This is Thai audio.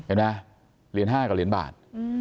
เห็นมั้ยเหรียญ๕กว่าเหรียญบาท